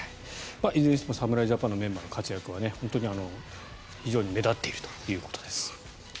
いずれにしても侍ジャパンのメンバーの活躍は本当に非常に目立っているということです。